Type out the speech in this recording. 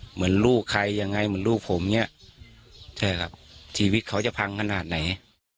เหมือนลูกใครยังไงเหมือนลูกผมเนี่ยใช่ครับชีวิตเขาจะพังขนาดไหน